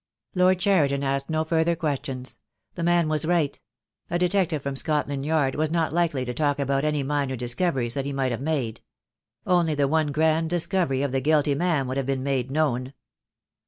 Lord Cheriton asked no further questions. The man was right. A detective from Scotland Yard was not likely to talk about any minor discoveries that he might have made. Only the one grand discovery of the guilty man would have been made known.